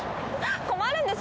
困るんです！